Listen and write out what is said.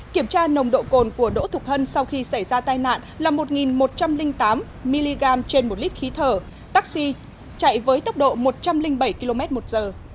kiểm tra nồng độ cồn của đỗ thục hân sau khi xảy ra tai nạn là một một trăm linh tám mg trên một lít khí thở taxi chạy với tốc độ một trăm linh bảy km một giờ